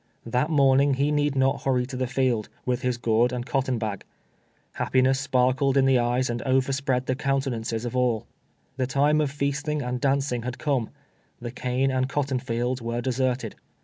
That morning he need not liurry to the field, with his gourd and cotton bag. IIai)piness sparkled in the eyes and overspread the countenances of all. The time of feastino; and dancinir had come. The cane and cotton fields were deserted.